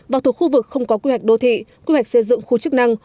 và thuộc khu vực không có quy hoạch đô thị quy hoạch xây dựng khu chức năng